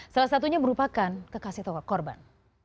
salah satunya merupakan kekasih toko korban